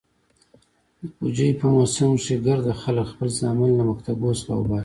د پوجيو په موسم کښې ګرده خلك خپل زامن له مكتبو څخه اوباسي.